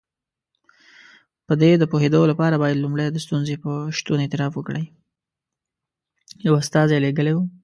یو استازی لېږلی وو.